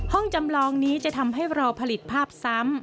จำลองนี้จะทำให้รอผลิตภาพซ้ำ